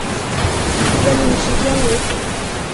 以任命时间为主